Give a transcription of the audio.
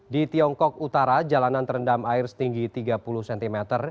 di tiongkok utara jalanan terendam air setinggi tiga puluh cm